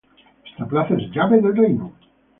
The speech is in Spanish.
Esta plaza es llave del reino.